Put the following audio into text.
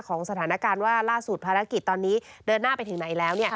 สถานการณ์ว่าล่าสุดภารกิจตอนนี้เดินหน้าไปถึงไหนแล้ว